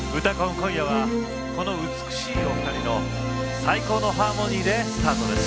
今夜は、このお二人の美しいハーモニーでスタートです。